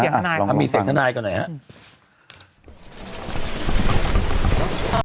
อ่ะลองลองฟังมีเสียงทนายกันหน่อยฮะ